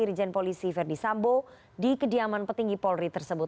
irjen polisi verdi sambo di kediaman petinggi polri tersebut